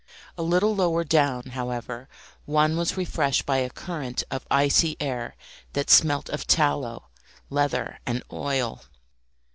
A little lower down, however, one was refreshed by a current of icy air that smelt of tallow, leather, and oil.